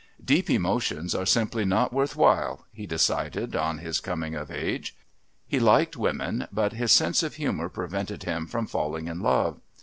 "Deep emotions are simply not worth while," he decided on his coming of age. He liked women but his sense of humour prevented him from falling in love.